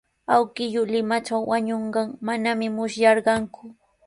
Awkilluu Limatraw wañunqan manami musyarqaaku.